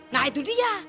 nah itu dia